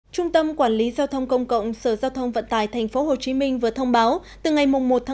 trung tâm quản lý giao thông công cộng sở giao thông vận tải tp hcm vừa thông báo từ ngày một một